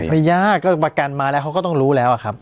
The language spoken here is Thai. ไม่ยากก็ประกันมาแล้วเขาก็ต้องรู้แล้วอะครับ